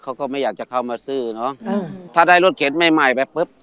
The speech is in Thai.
เขาก็ไม่อยากจะเข้ามาซื้อเนอะถ้าได้รถเข็นใหม่ใหม่ไปปุ๊บ